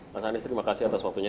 mas anies terima kasih atas waktunya